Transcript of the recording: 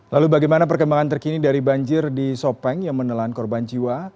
lalu bagaimana perkembangan terkini dari banjir di sopeng yang menelan korban jiwa